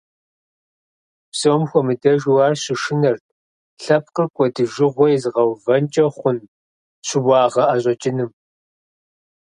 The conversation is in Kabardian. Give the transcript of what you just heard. Псом хуэмыдэжу ар щышынэрт лъэпкъыр кӀуэдыжыгъуэ изыгъэувэнкӀэ хъун щыуагъэ ӀэщӀэкӀыным.